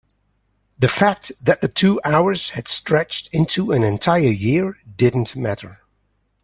the fact that the two hours had stretched into an entire year didn't matter.